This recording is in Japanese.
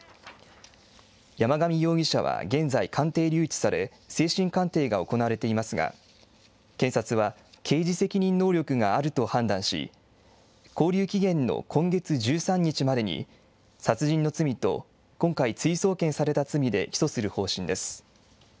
山上容疑者は現在、鑑定留置され、精神鑑定が行われていますが、検察は刑事責任能力があると判断し、勾留期限の今月１３日までに、殺人の罪と、今回、追送検された罪で起訴する方針です。